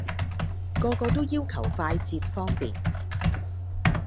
個個都要求快捷方便